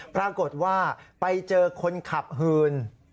ปรากฏว่าไปเจอคนขับหื่น